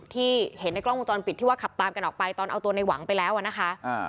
ที่เห็นในกล้องวงจรปิดที่ว่าขับตามกันออกไปตอนเอาตัวในหวังไปแล้วอ่ะนะคะ